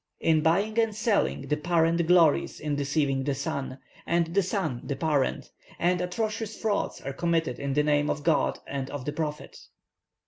"In buying and selling the parent glories in deceiving the son, and the son the parent, and atrocious frauds are committed in the name of God and of the Prophet.